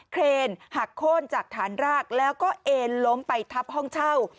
เครนหักโค้นจากฐานรากแล้วก็เอ็นล้มไปทับห้องเช่า